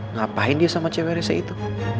ngapain dia sama cewek saya itu